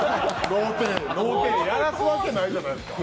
脳天やらすわけないじゃないですか！